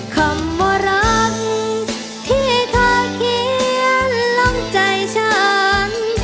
คำว่ารักที่เธอเขียนลงใจฉัน